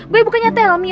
gue bukannya tell me